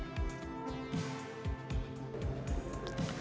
maksimalnya performa mereka di setiap pejuaraan